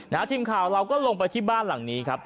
ทีมข่าวเราก็ลงไปที่บ้านหลังนี้ครับ